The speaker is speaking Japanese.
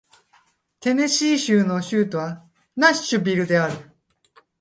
テネシー州の州都はナッシュビルである